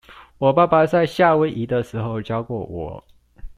我爸爸在夏威夷的時候教過我